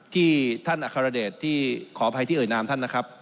ที่ท่านอัครเดชที่ขออภัยที่เอ่ยนามท่านนะครับ